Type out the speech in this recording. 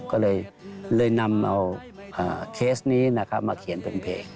ก็เลยนำเอาเคสนี้นะครับมาเขียนเป็นเพลง